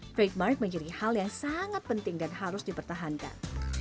fake mark menjadi hal yang sangat penting dan harus dipertahankan